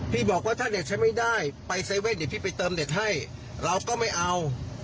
บอกว่าถ้าเด็กใช้ไม่ได้ไป๗๑๑เดี๋ยวพี่ไปเติมเด็ดให้เราก็ไม่เอา